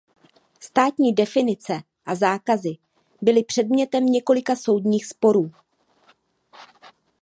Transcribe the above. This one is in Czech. Státní definice a zákazy byly předmětem několika soudních sporů.